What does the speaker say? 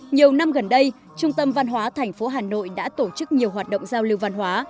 nhiều năm gần đây trung tâm văn hóa thành phố hà nội đã tổ chức nhiều hoạt động giao lưu văn hóa